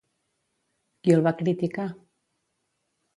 Qui el va criticar?